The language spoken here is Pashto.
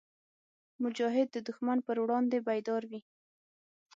مجاهد د دښمن پر وړاندې بیدار وي.